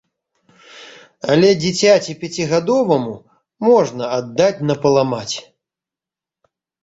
Але дзіцяці пяцігадоваму можна аддаць на паламаць.